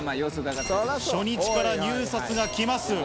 初日から入札がきます。